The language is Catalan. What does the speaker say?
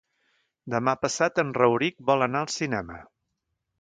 Demà passat en Rauric vol anar al cinema.